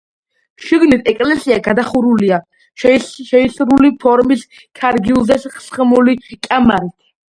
შიგნით ეკლესია გადახურულია შეისრული ფორმის, ქარგილზე სხმული კამარით.